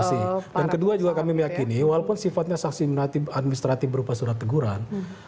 saksi dan kedua juga kami meyakini walaupun sifatnya saksi administratif berupa surat teguran